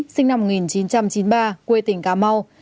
sinh năm một nghìn chín trăm chín mươi ba quê tỉnh cà mau